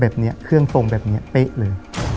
แบบนี้เครื่องทรงแบบนี้เป๊ะเลย